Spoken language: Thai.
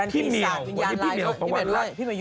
พี่เหนียวพี่เหนียวกระวัตรรัศน์